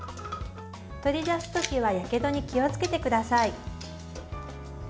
取り出す時はやけどに気をつけてください。